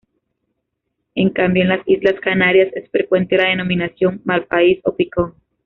En cambio, en las islas Canarias es frecuente la denominación "malpaís" o "picón".